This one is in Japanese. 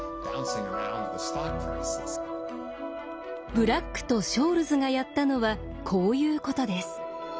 ブラックとショールズがやったのはこういうことです。